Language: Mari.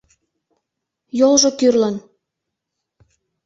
— Йолжо кӱрлын.